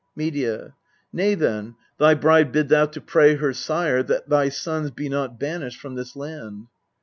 Medea. Nay then, thy bride bid thou to pray her sire That thy sons be not banished from this land.